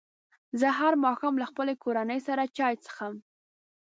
زه هر ماښام له خپلې کورنۍ سره چای څښم.